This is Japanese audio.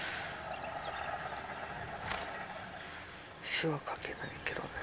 詞は書けないけどね。